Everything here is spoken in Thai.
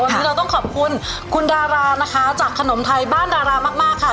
วันนี้เราต้องขอบคุณคุณดารานะคะจากขนมไทยบ้านดารามากมากค่ะ